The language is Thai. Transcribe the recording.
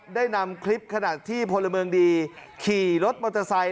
ได้นำคลิปขณะที่พลเมืองดีขี่รถมอเตอร์ไซค